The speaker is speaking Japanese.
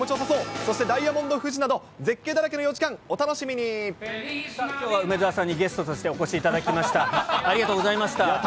そしてダイヤモンド富士など、きょうは梅澤さんにゲストとしてお越しいただきました。